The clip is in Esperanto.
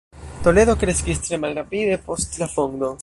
Toledo kreskis tre malrapide post la fondo.